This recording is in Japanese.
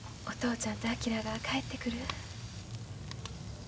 お父ちゃんと昭が帰ってくる。